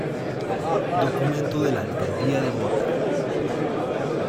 Documento de la alcaldía de Bogotá.